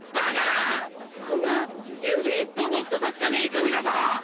こんな指一本の太さしかねえ首だぞ！？